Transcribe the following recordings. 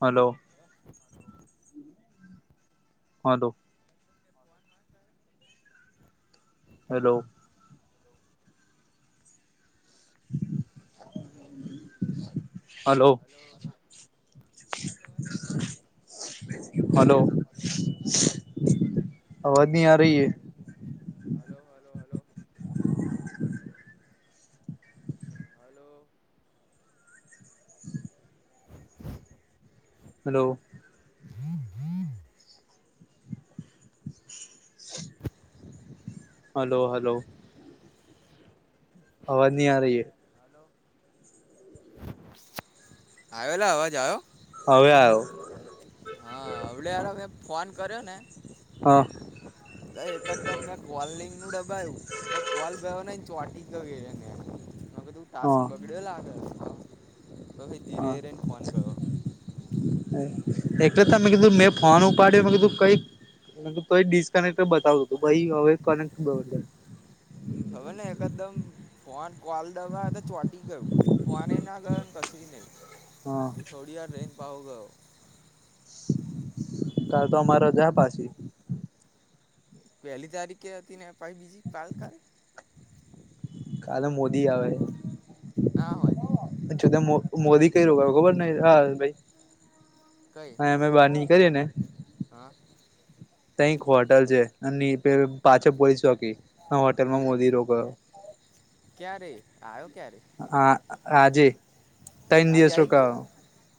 Hello [inaudible] હા તો phone માર્યો તારે ખબર નહી ફોન હલો જ લાગીને ચોટીની માર મારી હલો હલો હલો આવે છે અવાજ [inaudible] હલો અવાજ નહી આ રહી હ hello hello hello hello hello [inaudible] hello hello અવાજ ની આ રહિહેં હલો આવેલા અવાજ આયો હવે આયો હા હવડે હ ફોન કર્યો ને હા [inaudible] તો એકદમ મેં કોલિંગ નુ દબાયું પણ કોલ ગયો નહી ચોટી ગયુ [unintelligible] મે કીધું ટાસ્ક હા બગડયો લાગે તો પછી ધીરે હા રહી ને ફોન ગયો એટલે ત મે કીધું મેં ફોન ઉપાડ્યો મેં કીધું કઈક મે કહ્યું તો એ ડિસકનેક્ટર બતાવ તો હતું પહી હવે કનેક્ટ [unintelligible] હવે ને એકદમ ફોન કોલ દબાવે તો ચોટી ગયું ફોન એ ના ગયો કશું હા નહી [unintelligible] ર્રેન પાહો ગયો કાલ તો અમારા રજા પાછી પેલી તારીખે હતી ને [unintelligible] પાલ કાલ કાલે મોદી આવે ના હોય જો મોદી કઈ રોકયો ખબર ન હા ભાઈ કઈ અમે બાની નીકળી એ ને હા તય એક હોટલ છે અને એ પેલ પાછળ પોલિસ ચોકી એ હોટેલમાં મોદી રોકાયો તે આયો ક્યારે હા આજે તન આજે દિવસ આવી ગયો રોકાવાનો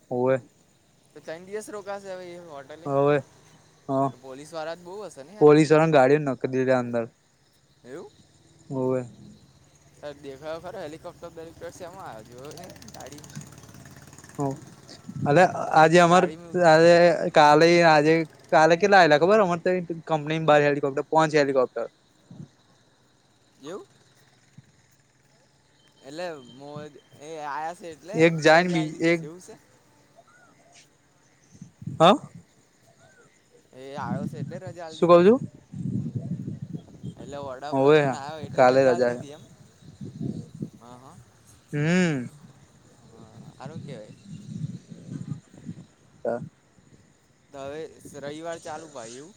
હોવે તો તણ દિવસ રોકાશે હવે એ હોટેલે હવે તો પોલીસ વાળા તો બોહ હશે ને યાર ઘાણ ને ગાડીઓ મા નકકી દીધા અંદર એવું હોવે. તા દેખાયો ખરો હેલિકોપ્ટર દેરેક્ટર સેમાં આયો જોયો કે ગાડી હ અ અને આજે અમાર ગાડીમાં તાને કાલે આજે કાલે કેટલા આયેલા ખબર અમારે ત્ય કંપની માં બહાર હેલિકોપ્ટર પોચ હેલિકોપ્ટર એવું એટલે મો એ આયા છે એટલે એક જાય ને રજા બી લીધી એક છે એવું છે. હા. એ આયો છે એટલે રજા શું કઉ લીધી છે. છું એટલે હોવે વડાપ્રધાન આયો એટલે કાલે રજા આલ હે દીધી એમ હા હા. હમમ હા હારુ કેવાય. હા. તો હવે રવિવાર ચાલુ હોય એવું.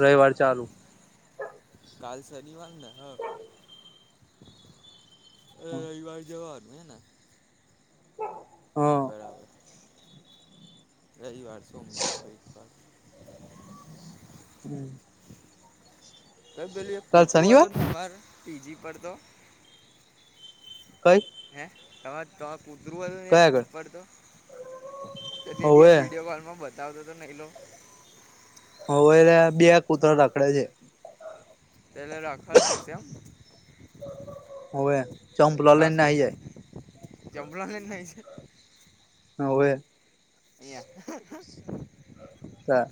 રવિવાર ચાલુ કાલ શનિવાર ને હ અ. રવિવાર જવાનું હે ને [inaudible] બરાબર. રવિવાર, સોમવાર ફરીશવાર હમમ ઓય પેલું એક કાલ કૂતરું શનિવાર હતું [unintelligible] પીજી પર તો કંઈ હે તો તોપ કુતરું હતું ને એક કયા આગળ ઉપર તો તે દિવસ હોવે વિડીયો કોલમાં બ [unintelligible] નય લો હવ આ બે કૂતરા રખડે છે. પેલે રાખડતું છે એમ. હોવે ચપલા લય નાહિ જાય. ચપલા લય નાહિ જાય. હા હોવે. એ યા [inaudible] હા.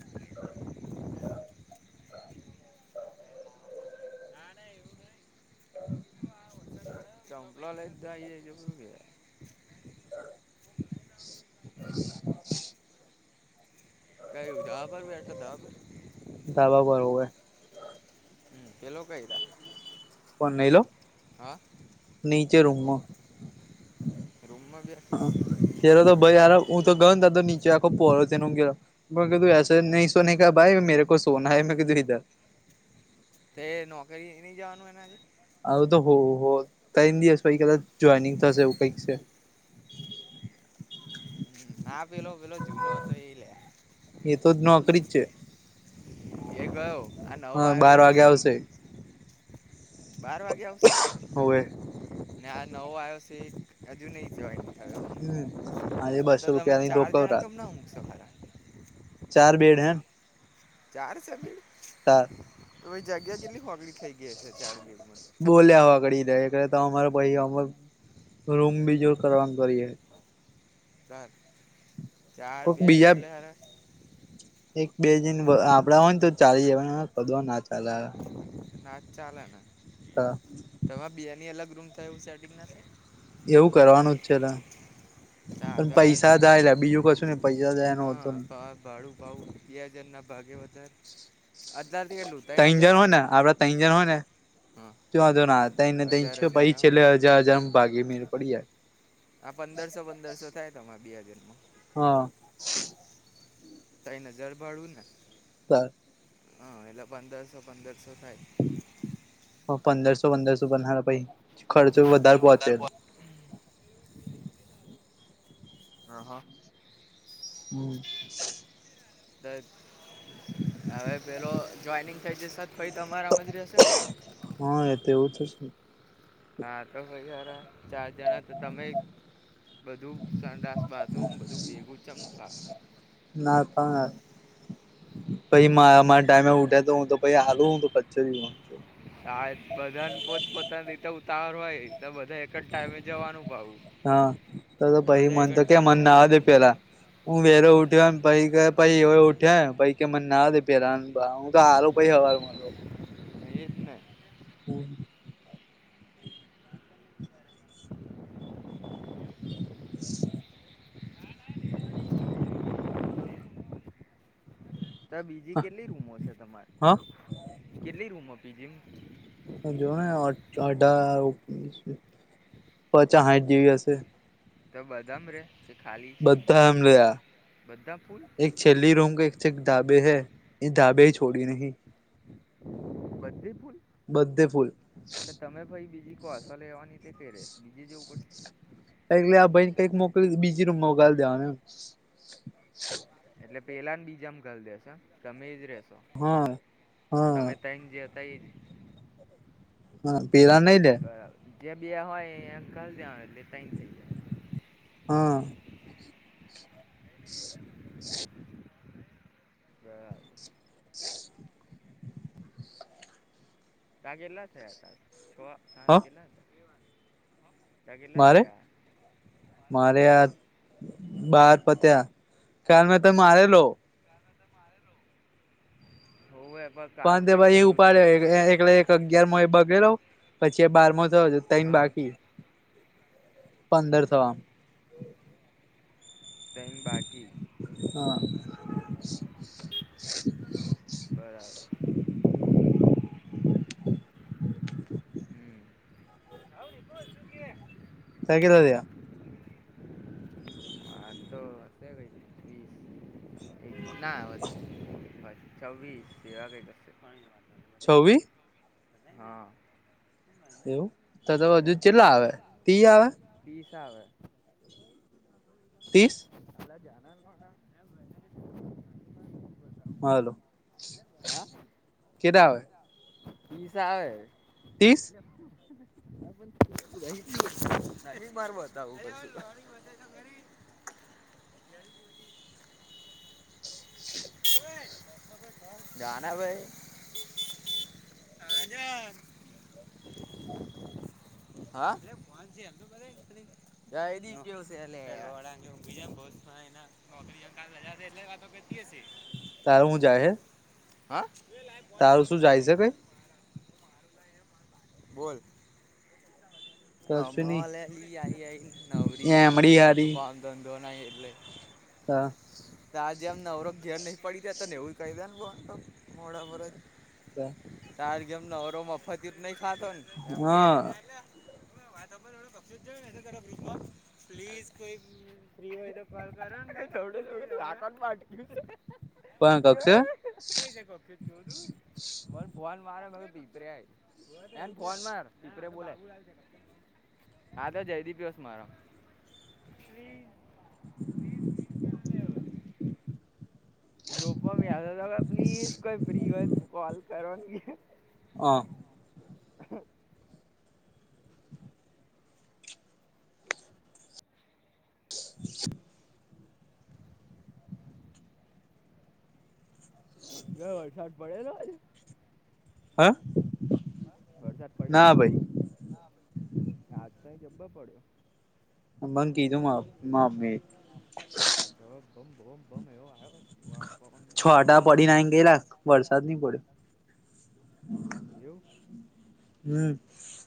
ના ના એવુંં નય આ વરસાદ પડે. [inaudible] કઈ [unintelligible] પર બેઠો ધાબા પર ધાબા પર હોવે હમમ પલો કય રા પણ એલો નીચે રૂમ માં રૂમમાં બેસીશ પેલો તો ભાઈ હારા હું તો ગયો ત તો નીચે આખો પોહળો થય ઊઘેલો. મે કીધું એસે નય સોને કા ભાઈ મેરે કો સોના હે ઈધર તે નોકરી ની જવાનું એને આજે આવું તો હો હો તેય દિવસ પછી કદાચ ટ્રેનિંગ થશે એવું કઈક છે. હમમ ના પેલો પેલો જૂનો હતો એ લા એ તો નોકરી જ છે એ ગયો આ નવો હા આયો બાર વાગે છે. આવશે બાર વાગે આવશે હોવે ને આ નવો આયો છે એ હજુ નઈ થાય. હમ આજે તો બસો તમે રૂપિયાની ચાર જણા રોકવરાત કેમ ના ઊઘશો હારા. ચાર બેડ હૈ ન ચાર સે બેડ. તાર તો એ જગ્યા કેટલી હોકડી થઈ ગઈ હસે ચાર બેડમાં. બોલ્યા આવવાગડી એટલે તો અમારે અહ રૂમ બીજોર કરવાનું કરીએ. ચાર ચાર કોક બેડ બીજા એટલે હારા એક બે દિન આપડા હોય ને તો ચાલી જાય, કધો ના ચાલે. નાજ ચાલેને. તમારા બેની અલગ રૂમ થાય એુંવુ સેટિંગ ના થાય? એવું કરવાનું જ છે લા. પણ થાય પૈસા જાય લા બીજું કશું નઈ, પૈસા જાય એનો વાંધો નઈ. આ ભાડું. ભાવ બે જણના ભાગે વધારે અત્યારથી કેટલું ત્રણ તૈયાંન હજાર જણ છે હોય ને આપડા તૈંજણ હોય ને. હા તો વાંધો ન આવે, તૈયાંન ને તૈયાંન હજાર છ હજાર ભાઈ આવે છેલ્લે ને હજાર હજાર ભાગી મેલ પડી જાય. આ પંદરસો પંદરસો થાય તમારા બે હાજરમાં. હા. તૈયાંન હજાર ભળુંને હા, એટલે પંદરસો પંદરસો થાય. પંદરસો પંદરસો પણ હારા પછીખર્ચો વધારે પહોંચેલો. હ [unintelligible] હમ્મ. દ હવે પેલો જોઈનિંગ થઈ જશે પછી તમારામાં જ રહેશે ને. હા, એતો એવું થશે. હા, તો પછી હારા. ચાર જણા તો તમે બધું સંડાસ બાથરૂમ બધું ભેગું છેમનું ફાવે. ના પા પછી મા મારા ટાઈમએ ઊઠે તો હું તો પછી હાલુ હું [unintelligible] માં સા બધાને પોત પોતાની રીતે ઉતવાર હોય, તો બધા એક જ ટાઈમે જવાનું પાહુ હા, તો તો પછી મને તો કે મને ઉઠે નવા દે પેલા. હું વેલો ઉઠ્યો એમ પછી એ વયો ઉઠ્યો પછી મને કેહ નવા દે પેલા હું તો હારું પછી હવારમાં તો. એ જ ને તો બીજી કેટલી રૂમો છે તમારે, હા કેટલી રૂમો પીજી? જોને અઢાર ઓગણીસ, પચાસ હાઈટ જેવી હશે. તો બધામાં રે કે ખાલી છે અમુક, બધા બધા ફૂલ? ચલ્લી રૂમ કે એક એક ધાબે છે, એ ધાબે છોડી નહીં. બધી પૂરી? બધે ફૂલ. તો તમે ભાઈ બીજી કોઈ અસો લેવાની તે ક રે બીજી જેવું પડશે? એટલે આ ભાઈને કઈક મોકલી, બીજી રૂમમાં ઘાલી દેવાનું એમ એટલે પેલા ને બીજામાં ઘાલી દેશે એમ, તમે એજ રેસો. હા, હા. તૈયાંન જે હતા એજ હા, પીરાણઈ લે જે બે હોય એને ઘાલી દેવાનો એટલે તૈયાંન થઈ જાય. હા. જ. [inaudible] તા કેટલા થયા હતા, છ સાત હ કેટલા હતા? તા કેટલા મારે, થયા મારે આ હા બાર પત્યા, કારણ ત મારેલો. હો એ બસ પણ તે ભાઈ એ ઉપાડે એ એ એકલે અગિયારમો એ બગેલો, પછી એ બારમો થયો, તઈણ હા બાકી. પંદર થવા. તઈણ બાકી હા. બરાબર હમ, [unintelligible] કો શું કે? ફેકી દો ત્યા આતો હશે કઈ વીસ. ના વધે ભાઈ, છવ્વીસ એ આવે કશે છવ્વી? હા. એવું, ત તો જાનાલે હજુ ચેટલા આવે? તી આવે? તા આવે ત્રીસ [unintelligible] હલો, કેટા આવે? વીસ આવે ત્રીસ? [unintelligible] માર બતાવું. [inaudible] જાના ભાઈ. હાજા. હા [unintelligible] ડરી ગયો છે એટલે [unintelligible] નોકરી ક હજાર એટલે વાતો કેતી હશે. તારું હું જાહે? હા [unintelligible] જાય છે કઈ બોલ. કશું રામે નહી એલી આઈ આઈ નવરી એમડી [unintelligible] ધંધો નાય એટલે. તા. તા જેમને નવરોખ ઘેર નહ પડી રહ્યા હતા ને એવું કહી દ ને મોડા પર. [inaudible] તાર ગેમ નવરો મફત નઈ ખાતોને એમ કે. એટ વાતર થડું કક્ષું જ જ મે ત ગ્રુપમાં પ્લીઝ કોઈ ફ્રી હોય તો કોલ કરોને [unintelligible] [unintelligible] પણ કક્ષે કઈ છે ઓફિસ મને ફોન મારે [unintelligible] ફોન માર. તિતરે બોલાય હા તો જયદીપીવસ મારો [inaudible] ગ્રુપમાં મે આ પ્લીઝ કોઈ ફ્રી હોય કોલ કરોનની હ [inaudible] કયો વરસાદ પડેલો? હા હ વરસાદ પડેલો? હા આજ કઈ જબો પડ્યો. અમબંગ કીધું મામ્મી. દ બમ બમ બમ એવ આવ. છટા પડી નાઈ ગયેલા વરસાદ નહી પડ્યો. એવું? હમ.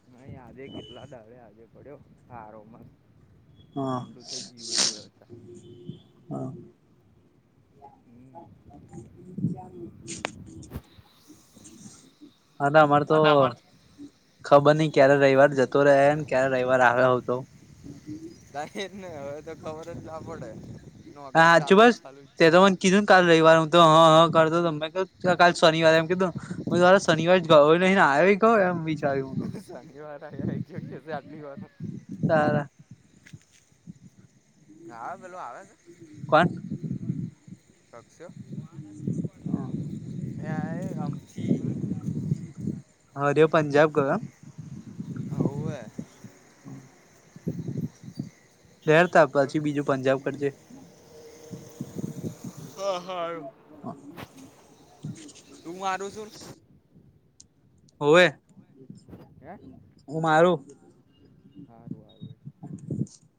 ન આયાજે કેટલા દાળે આજે પડ્યો સારો મ. હા ઠંડુ થઈ ગયું બધું હોય હતા. [inaudible] હા ના અમારે તો અદા માર ખબર નઈ ક્યારે રવિવાર જતો રહ ને ક્યારે રવિવાર આવ્યો હોતો. જાહેર ને હવે તો ખબર જ ના પડે. હા નોકરી હાચું ચાલુ બસ જ ચાલુ જ તે તો ચાલુ. મને કીધું કાલ રવવાર હું તો હા હા કરતો હતો મે ક કાલ શનિવારે એમ કીધું, હુંરા શનિવાર જ નહીને આવી. ક એમ વિચાર્યું. હું શનિવાર આ આ એક જયો કે છે આટની વાર. હા. હા પેલું આવે છે. કોણ? સાસો આમચ [unintelligible] હરે પંજાબ ગયો. ઓ એ. લહેરતા પછી બીજું પંજાબ કરજે. હા હા. હ [inaudible] તું મારું શું હોવે. હે હું મારું. સારું હારું. હ [inaudible]